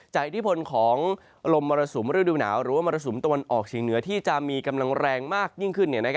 อิทธิพลของลมมรสุมฤดูหนาวหรือว่ามรสุมตะวันออกเฉียงเหนือที่จะมีกำลังแรงมากยิ่งขึ้น